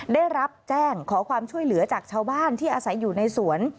ได้รับแจ้งขอความช่วยเหลือจากชาวบ้านที่อาศัยอยู่ในสวน